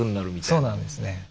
そうなんですね。